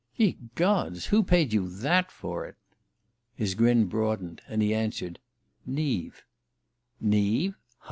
"Ye gods! Who paid you that for it?" His grin broadened, and he answered: "Neave." "_ Neave?